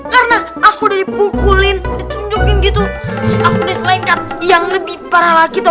karena aku udah dipukulin ditunjukin gitu aku diselenkat yang lebih parah lagi tahu